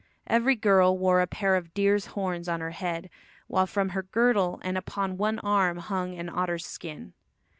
Every girl wore a pair of deer's horns on her head, while from her girdle and upon one arm hung an otter's skin.